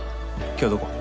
今日どこ？